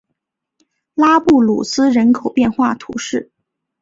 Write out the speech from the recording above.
拉布鲁斯人口变化图示